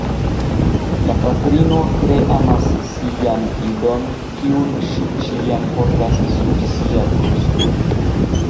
La patrino tre amas sian idon, kiun ŝi ĉiam portas sur sia brusto.